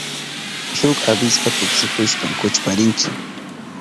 Shuk avispa tuksihushpan kuchparinchi.